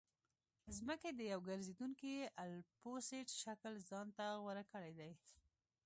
ځمکې د یو ګرځېدونکي الپسویډ شکل ځان ته غوره کړی دی